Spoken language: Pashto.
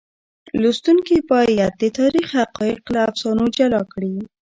لوستونکي باید د تاریخ حقایق له افسانو جلا کړي.